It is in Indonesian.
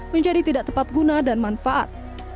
menjadi tidak tepat guna dan manfaat